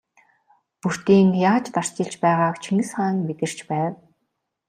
Бөртийн яаж тарчилж байгааг Чингис хаан мэдэрч байв.